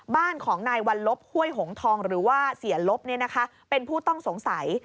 บ้านของนายวัลลบห้วยหงทองหรือว่าเสียลบเป็นผู้ต้องสงสัย